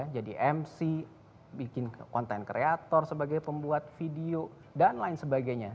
jadi mc bikin content creator sebagai pembuat video dan lain sebagainya